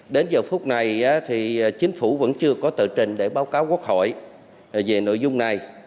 đến giờ phút này thì chính phủ vẫn chưa có tờ trình để báo cáo quốc hội về nội dung này